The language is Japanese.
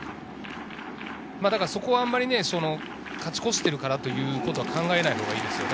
だからそこはあまり勝ち越しているからということは考えないほうがいいですね。